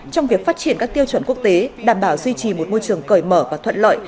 trong việc phát triển các tiêu chuẩn quốc tế đảm bảo duy trì một môi trường cởi mở và thuận lợi